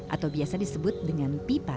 atau biasa disebut dengan pipa